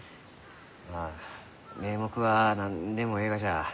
まあ名目は何でもえいがじゃ。